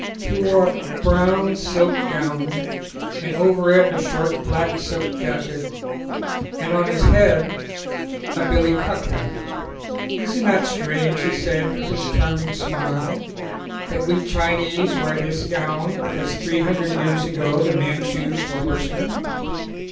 He wore a brown silk gown and over it a short black silk jacket, and on his head a billy cock hat. "Is it not strange," he said, with his charming smile, "that we Chinese wear this gown because three hundred years ago the Manchus were horse men?"